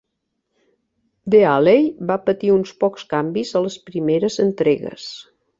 The Alley va patir uns pocs canvis a les primeres entregues.